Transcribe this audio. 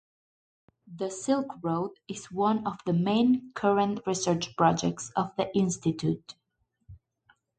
The Silk Road is one of the main current research projects of the institute.